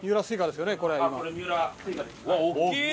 大きい！